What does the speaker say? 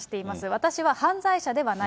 私は犯罪者ではない。